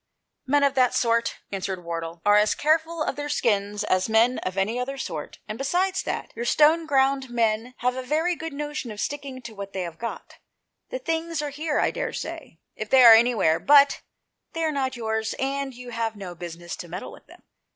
" Men of that sort," answered Wardle, " are as careful of their skins as men of any other sort, and besides that, your Stoneground men have a very good notion of sticking to what they have got. The things are here, I daresay, if they are anywhere ; but they are not yours, and you have no business to meddle with them.